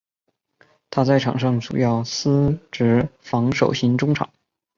他在场上主要司职防守型中场。